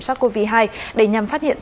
cho covid một mươi chín để nhằm phát hiện